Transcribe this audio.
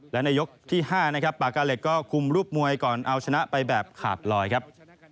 และในยกที่๕นะครับปากกาเหล็กก็คุมรูปมวยก่อนเอาชนะไปแบบขาดลอยครับ